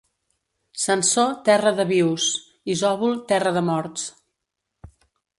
Sansor, terra de vius; Isòvol, terra de morts.